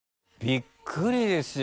びっくりですよ！